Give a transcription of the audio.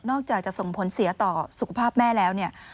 อกจากจะส่งผลเสียต่อสุขภาพแม่แล้วเนี่ย